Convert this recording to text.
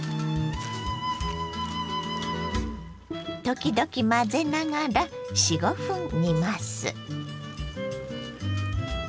時々混ぜながら４５分煮ます。